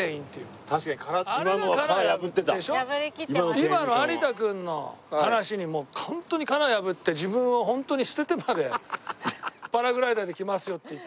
今の有田君の話にホントに殻破って自分をホントに捨ててまでパラグライダーで来ますよって言って。